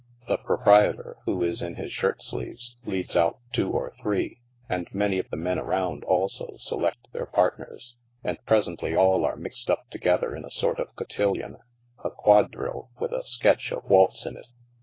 The proprietor, who is in his shirt sleeves, leads out two or three, and many of the men around also select their partners, and pres ently all are mixed np together in a sort of cotillion— a quadrille with a sketch of waltz in it.